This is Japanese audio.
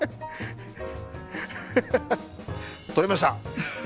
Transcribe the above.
取れました。